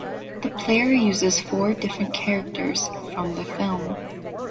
The player uses four different characters from the film.